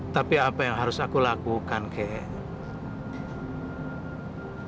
tapi apa yang harus aku lakukan ke